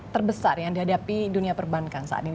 terbesar yang dihadapi dunia perbankan saat ini